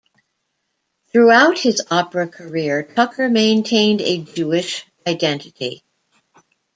Throughout his opera career, Tucker maintained a Jewish identity.